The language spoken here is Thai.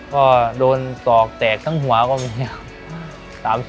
ก็โดนศอกแตกทั้งหัวก็มีครับ